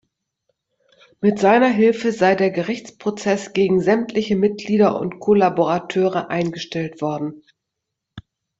Mit seiner Hilfe sei der Gerichtsprozess gegen sämtliche Mitglieder und Kollaborateure eingestellt worden.